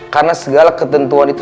karena segala ketentuan itu